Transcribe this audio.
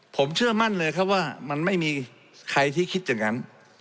ผมเชื่อมั่นเลยครับว่ามันไม่มีใครที่คิดอย่างนั้น